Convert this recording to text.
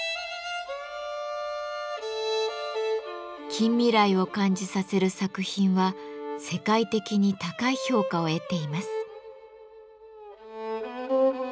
近未来を感じさせる作品は世界的に高い評価を得ています。